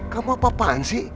kamu apa apaan sih